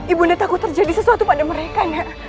ibu mbak takut terjadi sesuatu pada mereka